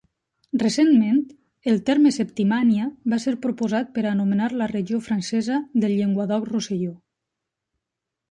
Recentment, el terme Septimània va ser proposat per a anomenar la regió francesa del Llenguadoc-Rosselló.